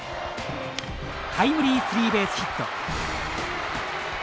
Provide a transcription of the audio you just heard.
タイムリースリーベースヒット。